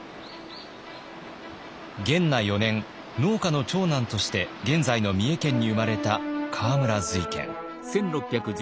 元和４年農家の長男として現在の三重県に生まれた河村瑞賢。